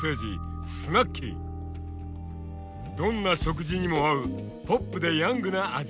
どんな食事にも合うポップでヤングな味。